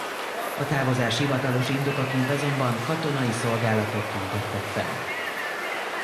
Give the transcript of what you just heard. A távozás hivatalos indokaként azonban katonai szolgálatot tüntettek fel.